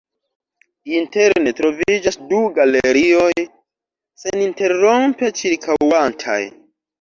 Interne troviĝas du galerioj seninterrompe ĉirkaŭantaj.